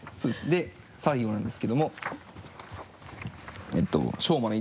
で最後なんですけども。